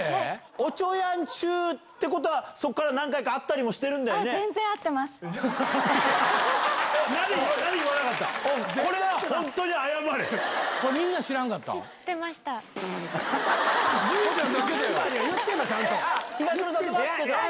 おちょやん中っていうことは、そこから何回か会ったりとかもしてるんだよね？